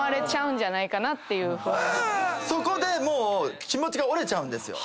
そこでもう気持ちが折れちゃうんですよ。